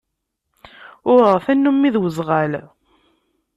Uɣeɣ tannumi d uzɣal.